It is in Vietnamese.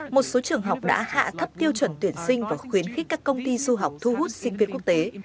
một số trường học đã hạ thấp tiêu chuẩn tuyển sinh và khuyến khích các công ty du học thu hút sinh viên quốc tế